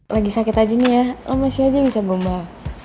lagi sakit aja nih ya oh masih aja bisa gombal